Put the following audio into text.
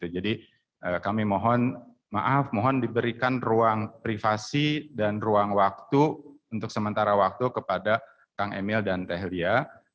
jadi kami mohon maaf mohon diberikan ruang privasi dan ruang waktu untuk sementara waktu kepada kang emil dan tehlia